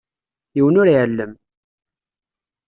Yiwen ur iεellem.